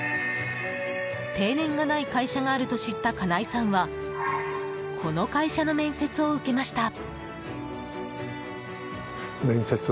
定年がない会社があると知った金井さんはこの会社の面接を受けました。